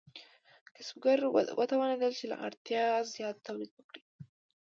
کسبګر وتوانیدل چې له اړتیا زیات تولید وکړي.